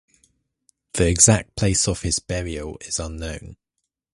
The exact place of his burial is unknown.